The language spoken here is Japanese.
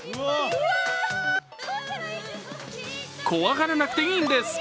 怖がらなくていいんです。